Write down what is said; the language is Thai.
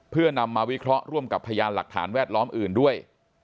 เพื่อนำมาวิเคราะห์ร่วมกับพยานหลักฐานแวดล้อมอื่นด้วย